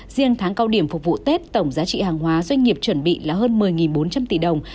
riêng tháng cao điểm phục vụ tết tổng giá trị hàng hóa doanh nghiệp chuẩn bị là hơn một mươi bốn trăm linh tỷ đồng